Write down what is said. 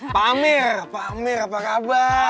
pak amir pak amir apa kabar